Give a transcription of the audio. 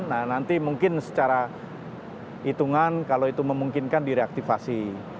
nah nanti mungkin secara hitungan kalau itu memungkinkan direaktivasi